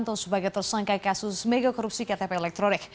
kondisi yang terjadi adalah selama dua tahun